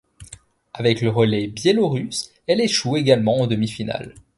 Avec le relais biélorusse, elle échoue également en demi-finale.